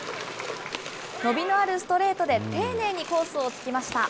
伸びのあるストレートで丁寧にコースをつきました。